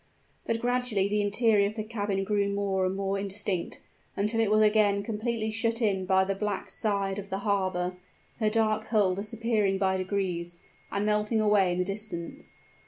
But gradually the interior of the cabin grew more and more indistinct, until it was again completely shut in by the black side of the harbor her dark hull disappearing by degrees, and melting away in the distance.